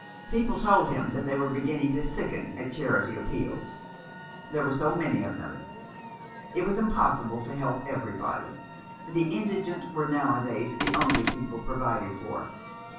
People told him that they were beginning to sicken at charity appeals. There was so many of them. It was impossible to help everybody. The indigent were nowadays the only people provided for.